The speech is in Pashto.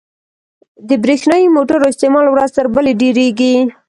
• د برېښنايي موټرو استعمال ورځ تر بلې ډېرېږي.